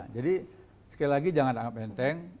jadi sekali lagi jangan anggap penting